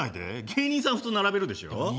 芸人さん普通並べるでしょ。